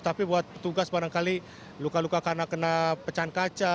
tapi buat petugas barangkali luka luka karena kena pecahan kaca